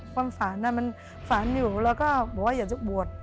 ความฝันมันฝันอยู่แล้วก็บอกว่าอยากจะบวช